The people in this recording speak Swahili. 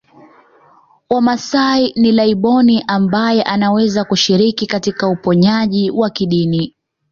Wamasai ni laibon ambaye anaweza kushiriki katika uponyaji wa kidini